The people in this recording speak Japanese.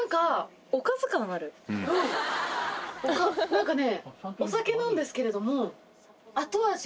何かね。